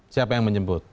siapa yang menjemput